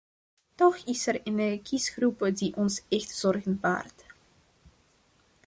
Toch is er een kiesgroep die ons echt zorgen baart.